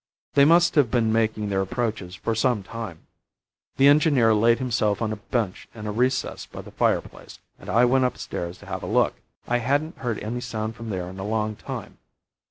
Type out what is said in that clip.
They must have been making their approaches for some time. The engineer laid himself on a bench in a recess by the fire place, and I went upstairs to have a look. I hadn't heard any sound from there for a long time.